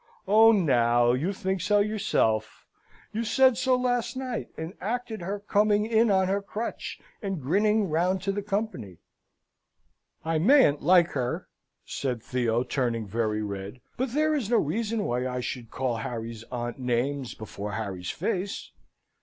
Own, now, you think so yourself! You said so last night, and acted her coming in on her crutch, and grinning round to the company." "I mayn't like her," said Theo, turning very red. "But there is no reason why I should call Harry's aunt names before Harry's face."